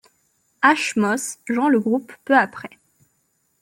Ash Moss joint le groupe peu après.